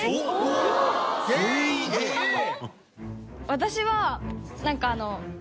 私はなんかあの。